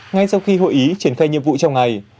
ngay sau khi hội ý triển khai nhiệm vụ trong ngày